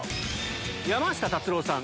山下達郎さん